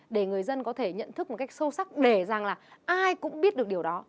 để người dân có thể nhận thức một cách sâu sắc để rằng là ai cũng biết được điều đó